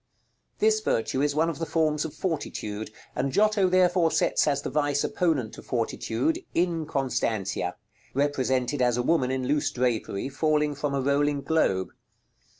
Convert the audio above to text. This virtue is one of the forms of fortitude, and Giotto therefore sets as the vice opponent to Fortitude, "Inconstantia," represented as a woman in loose drapery, falling from a rolling globe.